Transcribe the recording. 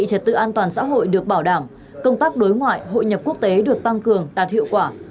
trật tự an toàn xã hội được bảo đảm công tác đối ngoại hội nhập quốc tế được tăng cường đạt hiệu quả